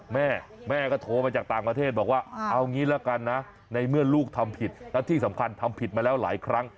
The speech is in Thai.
แม่แม่ก็โทรมาจากต่างประเทศบอกว่าเอางี้ละกันนะในเมื่อลูกทำผิดแล้วที่สำคัญทำผิดมาแล้วหลายครั้ง